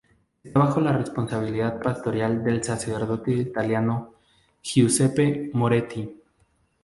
Esta bajo la responsabilidad pastoral del sacerdote italiano Giuseppe Moretti.